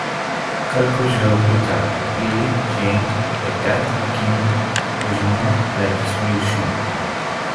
Quelques jours plus tard, Lily James et Kate McKinnon rejoignent la distribution.